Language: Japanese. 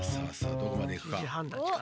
どこまでいくか。